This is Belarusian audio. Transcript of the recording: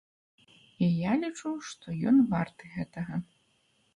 І я лічу, што ён варты гэтага.